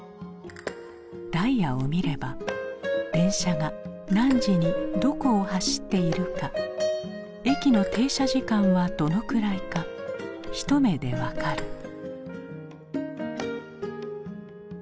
ダイヤを見れば電車が何時にどこを走っているか駅の停車時間はどのくらいか一目で分かる。